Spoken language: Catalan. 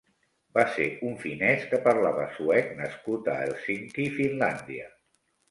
Va ser un finès que parlava suec nascut a Helsinki, Finlàndia.